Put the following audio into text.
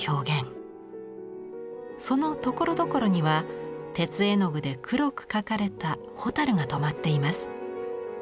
そのところどころには鉄絵の具で黒く描かれたホタルがとまっています。